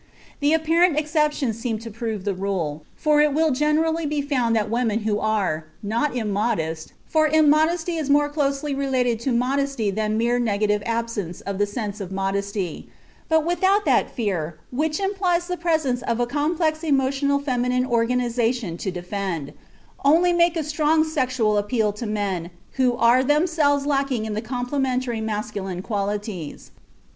The apparent exceptions seem to prove the rule, for it will generally be found that the women who are, not immodest (for immodesty is more closely related to modesty than mere negative absence of the sense of modesty), but without that fear which implies the presence of a complex emotional feminine organization to defend, only make a strong sexual appeal to men who are themselves lacking in the complementary masculine qualities.